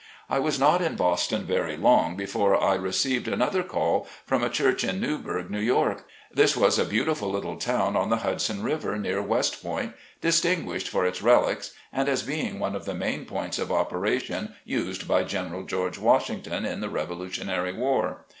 I was not in Boston very long before I received another call, from a church in Newburgh, New York. This was a beautiful little town on the Hudson River, near West Point, distinguished for its relics, and as being one of the main points of operation CHURCH WORK. 53 used by General George Washington, in the Revo lutionary War.